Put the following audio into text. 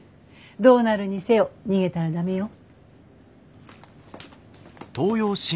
どうなるにせよ逃げたら駄目よ。